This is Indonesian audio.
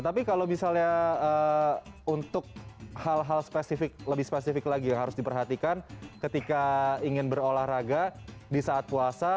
tapi kalau misalnya untuk hal hal spesifik lebih spesifik lagi yang harus diperhatikan ketika ingin berolahraga di saat puasa